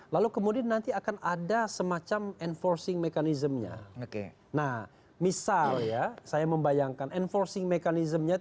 lalu kemudian nanti akan ada semacam enforcing mekanisme